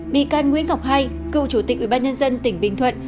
bị can nguyễn ngọc hai cựu chủ tịch ủy ban nhân dân tỉnh bình thuận